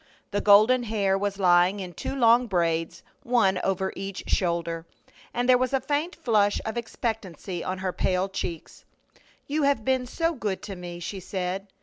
The golden hair was lying in two long braids, one over each shoulder, and there was a faint flush of expectancy on her pale cheeks. "You have been so good to me!" she said.